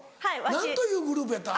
何というグループやった？